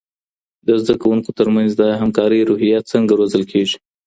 د زده کوونکو ترمنځ د همکارۍ روحیه څنګه روزل کیږي؟